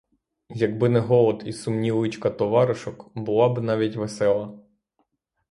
Якби не голод і сумні личка товаришок, була б навіть весела.